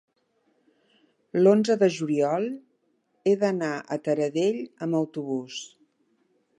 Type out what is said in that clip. l'onze de juliol he d'anar a Taradell amb autobús.